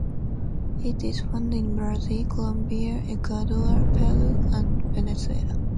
It is found in Brazil, Colombia, Ecuador, Peru and Venezuela.